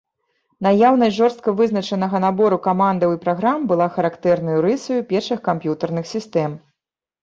Наяўнасць жорстка вызначанага набору камандаў і праграм была характэрнай рысаю першых камп'ютарных сістэм.